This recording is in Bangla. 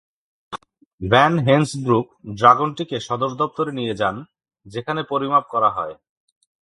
ভ্যান হেনসব্রুক ড্রাগনটিকে সদরদপ্তরে নিয়ে যান যেখানে পরিমাপ করা হয়।